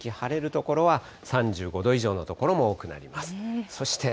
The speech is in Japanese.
東北から近畿、晴れる所は３５度以上の所も多くなります。